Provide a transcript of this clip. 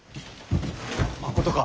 まことか！